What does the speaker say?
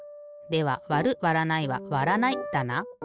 ではわるわらないはわらないだな。